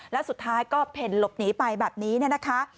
แล้วสุดท้ายก็เพลลบหนีไปแบบนี้แหละค่ะ